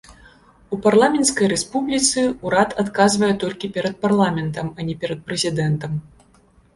У парламенцкай рэспубліцы ўрад адказвае толькі перад парламентам, а не перад прэзідэнтам.